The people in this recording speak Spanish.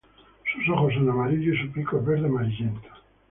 Su ojos son amarillos y su pico es verde amarillento.